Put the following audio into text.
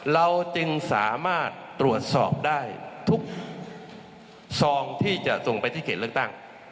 เราจึงสามารถตรวจสอบได้ทุกซองที่จะส่งไปที่เขตเลือกตั้ง